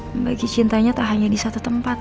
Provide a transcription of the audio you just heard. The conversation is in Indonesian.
membagi cintanya tak hanya di satu tempat